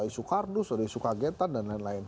isu kardus ada isu kagetan dan lain lain